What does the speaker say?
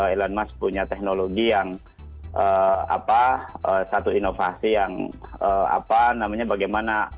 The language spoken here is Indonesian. elon musk punya teknologi yang satu inovasi yang bagaimana